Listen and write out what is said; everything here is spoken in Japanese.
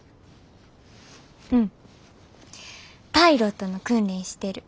うんパイロットの訓練してる。